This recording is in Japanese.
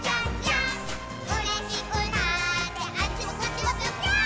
「うれしくなってあっちもこっちもぴょぴょーん」